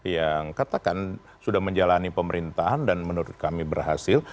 yang katakan sudah menjalani pemerintahan dan menurut kami berhasil